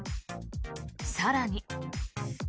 更に。